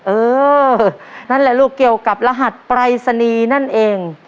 เออนั่นแหละลูกเกี่ยวกับรหัสปรายศนีย์นั่นเอง